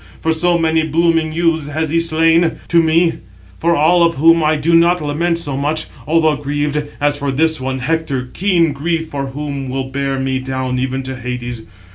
For so many blooming youths has he slain to me, for all of whom I do not lament so much, although grieved, as for this one, Hector, keen grief for whom will bear me down even into Hades.